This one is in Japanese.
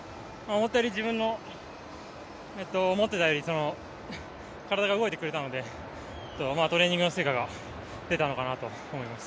自分の思っていたより体が動いてくれたのでトレーニングの成果が出たのかなと思います。